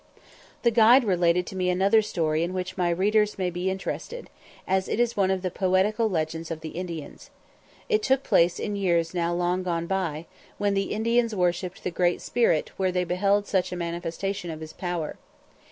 The guide related to me another story in which my readers may be interested, as it is one of the poetical legends of the Indians. It took place in years now long gone by, when the Indians worshipped the Great Spirit where they beheld such a manifestation of his power.